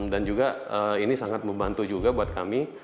dan juga ini sangat membantu juga buat kami